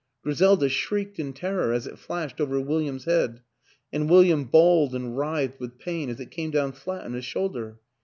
Gri selda shrieked in terror as it flashed over Wil liam's head and William bawled and writhed with pain as it came down flat on his shoulder.